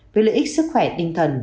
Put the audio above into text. với lợi ích sức khỏe tinh thần